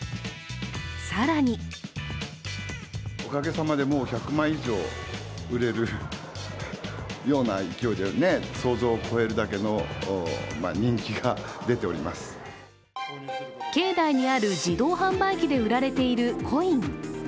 更に境内にある自動販売機で売られているコイン。